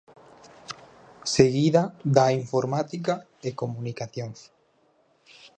Seguida da Informática e Comunicacións.